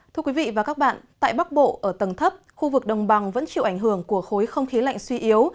thưa quý vị và các bạn tại bắc bộ ở tầng thấp khu vực đồng bằng vẫn chịu ảnh hưởng của khối không khí lạnh suy yếu